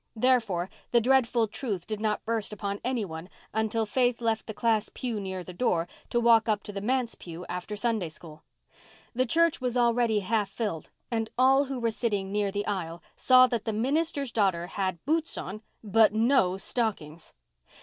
Therefore, the dreadful truth did not burst upon any one until Faith left the class pew near the door to walk up to the manse pew after Sunday School. The church was already half filled and all who were sitting near the aisle saw that the minister's daughter had boots on but no stockings!